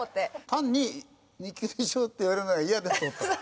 単に「２級でしょ」って言われるのが嫌で取ったの？